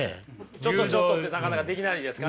「ちょっとちょっと」ってなかなかできないですかね。